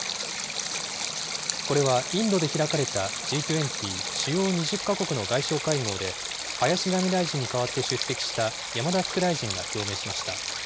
これはインドで開かれた、Ｇ２０・主要２０か国の外相会合で、林外務大臣に代わって出席した山田副大臣が表明しました。